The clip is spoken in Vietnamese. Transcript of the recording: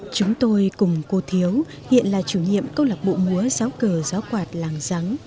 chúng tôi cùng cô thiếu hiện là chủ nhiệm câu lạc bộ múa giáo cờ giáo quạt làng giáng